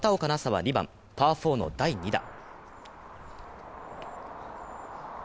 紗は２番、パー４の第２打。